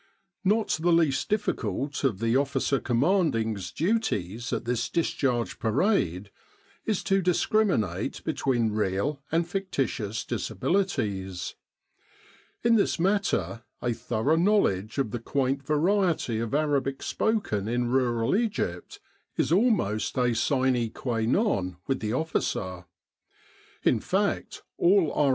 Not the least difficult of the O.C.'s duties at this Discharge Parade is to discriminate between real and fictitious disabili ties. In this matter a thorough knowledge of the quaint variety of Arabic spoken in rural Egypt is almost a sine qua non with the officer. In fact, all R.